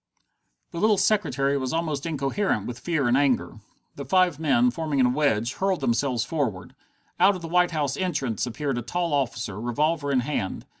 The little secretary was almost incoherent with fear and anger. The five men, forming a wedge, hurled themselves forward. Out of the White House entrance appeared a tall officer, revolver in hand.